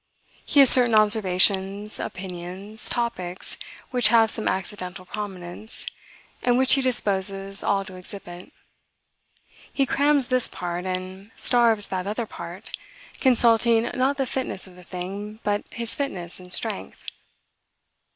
He has certain observations, opinions, topics, which have some accidental prominence, and which he disposes all to exhibit. He crams this part, and starves that other part, consulting not the fitness of the thing, but his fitness and strength.